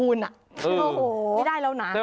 ไม่ได้แล้วนะ